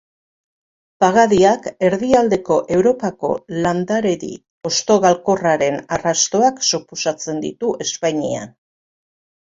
Pagadiak erdialdeko Europako landaredi hostogalkorraren arrastoak suposatzen ditu Espainian.